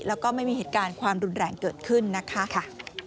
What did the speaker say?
แล้วก็ไม่มีเหตุการณ์ความรุนแรงเกิดขึ้นนะคะ